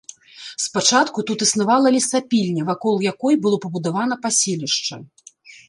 Спачатку тут існавала лесапільня, вакол якой было пабудавана паселішча.